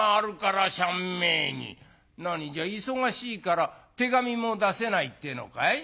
「何じゃあ忙しいから手紙も出せないっていうのかい？